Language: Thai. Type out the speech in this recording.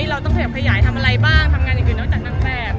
เราต้องขยับขยายทำอะไรบ้างทำงานอย่างอื่นนอกจากนางแบบ